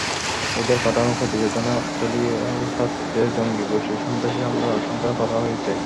এঁদের পাঠানো প্রতিবেদনে অস্ট্রেলীয় স্বার্থে জঙ্গি গোষ্ঠীর সন্ত্রাসী হামলার আশঙ্কা করা হয়েছে।